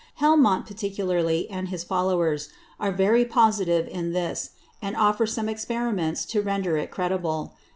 Helmont, particularly, and his Followers, are very positive in this; and offer some Experiments to render it credible.